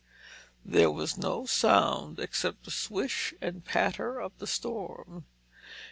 There was no sound except the swish and patter of the storm.